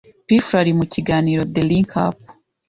P Fla ari mu kiganiro The Link Up